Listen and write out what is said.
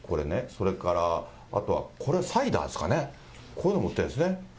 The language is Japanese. それからあとはこれはサイダーですかね、こういうのも売ってるんですね。